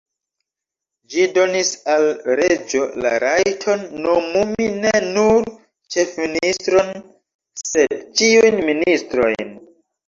Ĝi donis al reĝo la rajton nomumi ne nur ĉefministron, sed ĉiujn ministrojn.